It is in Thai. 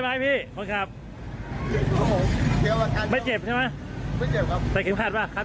ทำบุญไหมเนี่ยทำบุญมาวันนี้